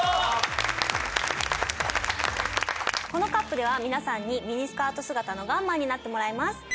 このＣＵＰでは皆さんにミニスカート姿のガンマンになってもらいます。